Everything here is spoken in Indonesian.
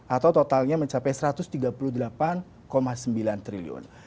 atau totalnya mencapai satu ratus tiga puluh delapan sembilan triliun